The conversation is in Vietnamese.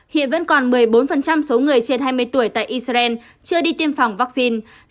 hiện vẫn còn một mươi bốn số người trên hai mươi tuổi tại israel chưa đi tiêm phòng vaccine